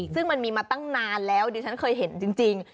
ซึ่งมีออกมาตั้งนานคิดว่าชั้นเคยเห็นจริง